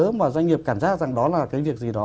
nếu mà doanh nghiệp cảm giác rằng đó là cái việc gì đó